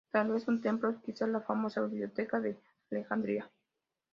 Tal vez un templo, quizás la famosa Biblioteca de Alejandría.